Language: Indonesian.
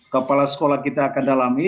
kepala sekolah kita akan dalami